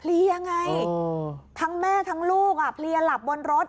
ยังไงทั้งแม่ทั้งลูกอ่ะเพลียหลับบนรถ